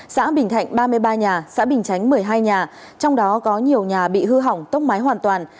xã bình thạnh ba mươi ba nhà xã bình chánh một mươi hai nhà trong đó có nhiều nhà bị hư hỏng tốc mái hoàn toàn